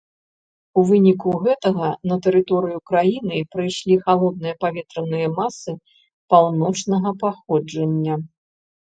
У выніку гэтага на тэрыторыю краіны прыйшлі халодныя паветраныя масы паўночнага паходжання.